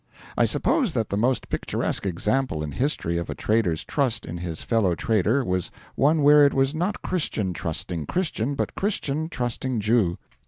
I suppose that the most picturesque example in history of a trader's trust in his fellow trader was one where it was not Christian trusting Christian, but Christian trusting Jew.